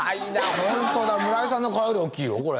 ほんとだ村井さんの顔より大きいよこれ。